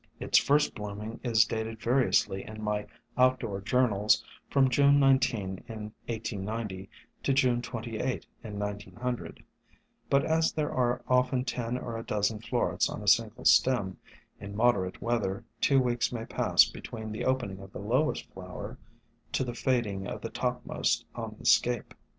Its first bloom ing is dated variously in my outdoor journals from June 19 in 1890 to June 28 in 1900, but as there are often ten or a dozen florets on a single stem, in moderate weather two weeks may pass between the opening of the lowest flower to the fading of the topmost on the scape.